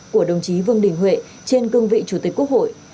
của đồng chí vương đình huệ trên cương vị chủ tịch quốc hội